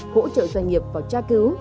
hỗ trợ doanh nghiệp vào tra cứu